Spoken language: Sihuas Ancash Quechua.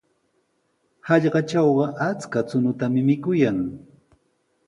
Hallqatrawqa achka chuñutami mikuyan.